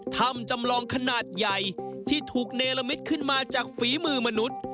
จำลองขนาดใหญ่ที่ถูกเนลมิตขึ้นมาจากฝีมือมนุษย์